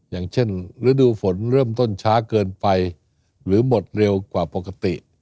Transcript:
อย่างเช่นฤดูฝนเริ่มต้นช้าเกินไปหรือหมดเร็วกว่าปกติ